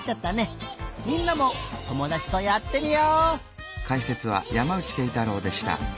みんなもともだちとやってみよ！